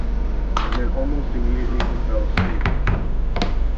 And then almost immediately he fell asleep.